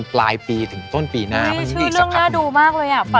นี่ชื่อเรื่องน่าดูมากเลยฮะ